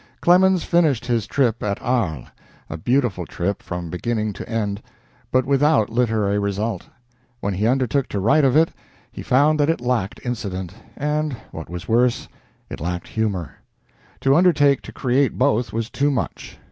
Clemens finished his trip at Arles a beautiful trip from beginning to end, but without literary result. When he undertook to write of it, he found that it lacked incident, and, what was worse, it lacked humor. To undertake to create both was too much.